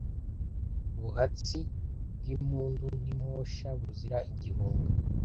Buhatsi* bw'impundu n'imposha buzira igihunga,